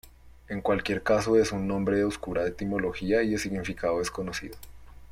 En cualquier caso es un nombre de oscura etimología y de significado desconocido.